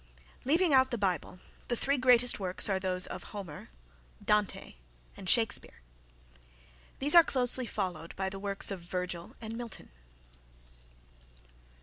Leaving out the Bible the three greatest works are those of Homer, Dante and Shakespeare. These are closely followed by the works of Virgil and Milton.